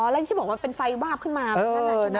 อ๋อแล้วนี่ที่บอกว่าเป็นไฟวาบขึ้นมานั่นแหละใช่ไหม